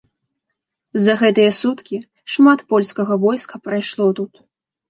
За гэтыя суткі шмат польскага войска прайшло тут.